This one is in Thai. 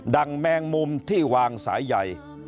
ดั่งแมงมุมที่วางสายใย